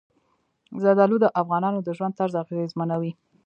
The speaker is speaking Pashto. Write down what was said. زردالو د افغانانو د ژوند طرز اغېزمنوي.